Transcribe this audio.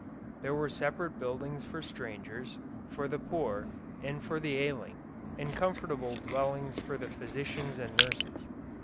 There were separate buildings for strangers, for the poor, and for the ailing, and comfortable dwellings for the physicians and nurses.